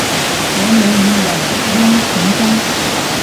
伯牛与冉雍同宗。